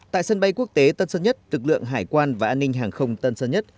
tại sân bay quốc tế tân sơn nhất lực lượng hải quan và an ninh hàng không tân sơn nhất